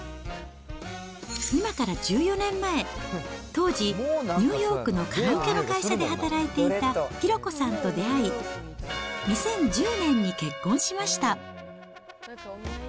今から１４年前、当時、ニューヨークのカラオケの会社で働いていた寛子さんと出会い、２０１０年に結婚しました。